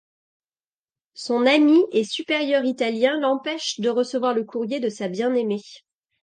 Son ami et supérieur italien l'empêche de recevoir le courrier de sa bien-aimée.